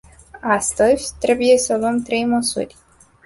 Astăzi, trebuie să luăm trei măsuri.